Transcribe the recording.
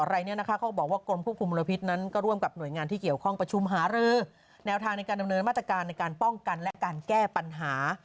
ดังนั้นก็ร่วมกับหน่วยงานที่เกี่ยวข้องประชุมหารือแนวทางในการดำเนินมาตรการในการป้องกันและการแก้ปัญหา